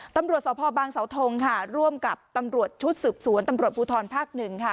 ตำรวจสพบางสาวทงค่ะร่วมกับตำรวจชุดสืบสวนตำรวจภูทรภาคหนึ่งค่ะ